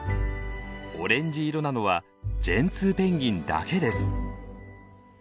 オレンジ色なのはジェンツーペンギンだけです。